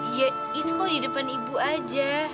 iya itu kok di depan ibu aja